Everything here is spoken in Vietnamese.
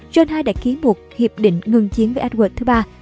john ii đã ký một hiệp định ngừng chiến với edward iii